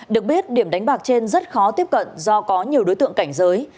được biết điểm đánh bạc trên rất khó tiếp cận do có nhiều đối tượng cảnh giới